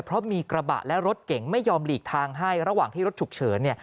เพราะมีกระบะและรถเก่งไม่ยอมหลีกทางให้ระหว่างที่รถฉุกเฉินเนี่ย